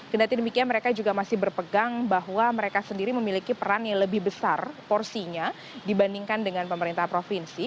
kendati demikian mereka juga masih berpegang bahwa mereka sendiri memiliki peran yang lebih besar porsinya dibandingkan dengan pemerintah provinsi